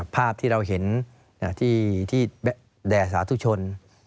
ภาพที่เราเห็นที่แด่สาธุชน